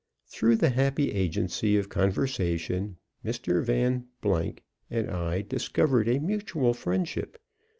Through the happy agency of conversation Mr. Van and I discovered a mutual friendship.